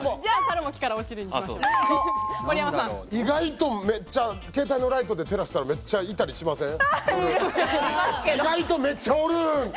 意外と、めっちゃ、携帯のライトで照らしたらめっちゃいたりしません？